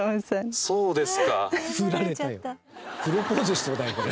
田中：プロポーズしそうだよこれ。